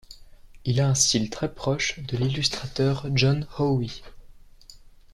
Il a un style très proche de l'illustrateur John Howe.